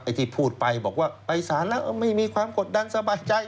ที่พูดไปบอกว่าไปสารแล้วไม่มีความกดดันสบายใจ